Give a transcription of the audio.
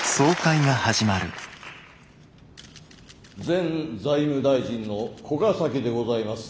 前財務大臣の古ヶ崎でございます。